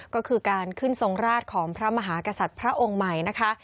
ก็คือการขึ้นทรงราชของพระมหากษัตริย์พระองค์ใหม่นะคะ